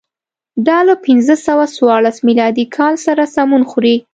دا له پنځه سوه څوارلس میلادي کال سره سمون خوري.